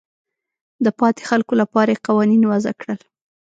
د پاتې خلکو لپاره یې قوانین وضع کړل.